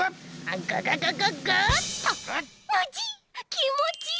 きもちいい！